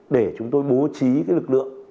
để chúng tôi bố trí lực lượng